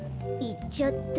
いっちゃった。